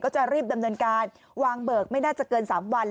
จะรีบดำเนินการวางเบิกไม่น่าจะเกิน๓วัน